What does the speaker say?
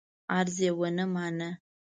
عرض یې ونه مانه.